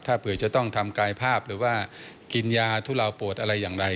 ถ้าเผื่อจะต้องทำกายภาพหรือว่ากินยาทุเลาปวดอะไรอย่างไร